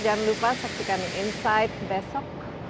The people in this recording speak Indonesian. jangan lupa saksikan insight besok